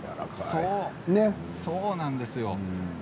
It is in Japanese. そうなんですよ。